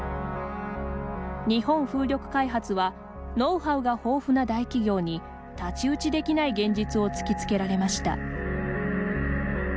日本風力開発はノウハウが豊富な大企業に太刀打ちできない現実を突きつけられました。